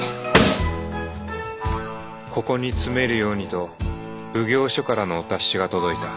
ここに詰めるようにと奉行所からのお達しが届いた。